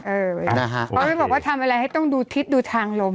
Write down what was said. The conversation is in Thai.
เพราะไม่บอกว่าทำอะไรให้ต้องดูทิศดูทางลม